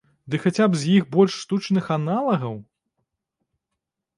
Ды хаця б з іх больш штучных аналагаў?